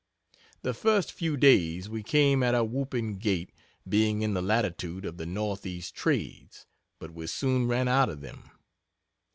The first few days we came at a whooping gait being in the latitude of the "North east trades," but we soon ran out of them.